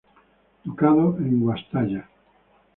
Ducado de Guastalla